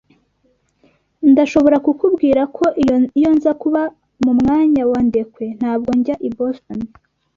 Ndashobora kukubwira ko iyo nza kuba mu mwanya wa Ndekwe, ntabwo njya i Boston.